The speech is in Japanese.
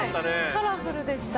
カラフルでした。